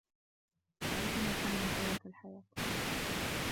يعيش منحنياً طيلة الحياة